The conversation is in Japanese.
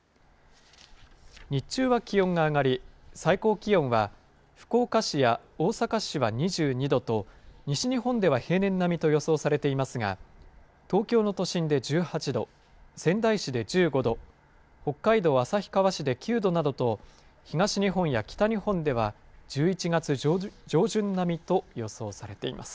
日中は気温が上がり、最高気温は、福岡市や大阪市は２２度と、西日本では平年並みと予想されていますが、東京の都心で１８度、仙台市で１５度、北海道旭川市で９度などと、東日本や北日本では１１月上旬並みと予想されています。